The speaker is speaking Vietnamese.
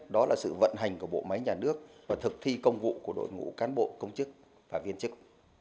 đó là sự vận hành của bộ máy nhà nước và thực thi công vụ của đội ngũ cán bộ công chức và viên chức